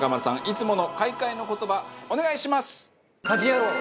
いつもの開会の言葉お願いします。